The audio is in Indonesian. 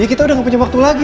kita udah gak punya waktu lagi